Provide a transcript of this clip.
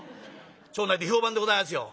町内で評判でございますよ。